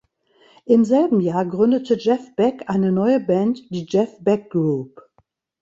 Im selben Jahr gründete Jeff Beck eine neue Band, die Jeff Beck Group.